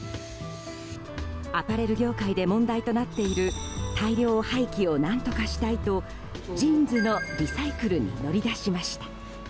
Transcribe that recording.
アパレル業界で問題となっている大量廃棄を何とかしたいとジーンズのリサイクルに乗り出しました。